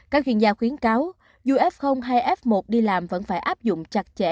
các chuyên gia khuyến cáo dù f hay f một đi làm vẫn phải áp dụng chặt chẽ